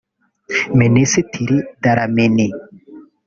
Minisitiri Dlamini